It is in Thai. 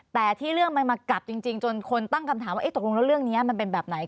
แต่ที่เรื่องมันมากลับจริงจนคนตั้งคำถามว่าตกลงแล้วเรื่องนี้มันเป็นแบบไหน